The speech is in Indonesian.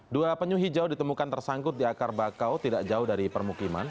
dua penyu hijau ditemukan tersangkut di akar bakau tidak jauh dari permukiman